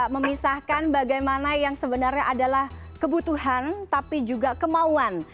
memisahkan bagaimana yang sebenarnya adalah kebutuhan tapi juga kemauan